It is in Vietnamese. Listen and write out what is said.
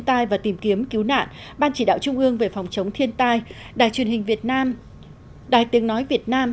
trung ương về phòng chống thiên tai đài truyền hình việt nam đài tiếng nói việt nam